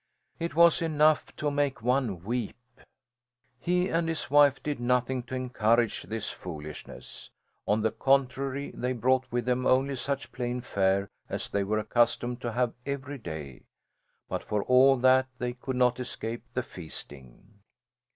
It was enough to make one weep! He and his wife did nothing to encourage this foolishness. On the contrary, they brought with them only such plain fare as they were accustomed to have every day; but for all that they could not escape the feasting.